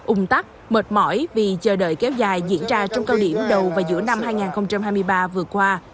ung tắc mệt mỏi vì chờ đợi kéo dài diễn ra trong cao điểm đầu và giữa năm hai nghìn hai mươi ba vừa qua